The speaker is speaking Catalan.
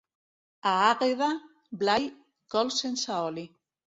A Àgueda, Blai, cols sense oli.